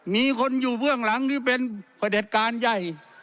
เป็นอุปกรณ์หรือว่าย่าย